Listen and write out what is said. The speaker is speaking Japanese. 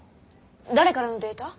誰からのデータ？